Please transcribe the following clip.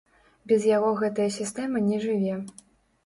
Без яго гэтая сістэма не жыве.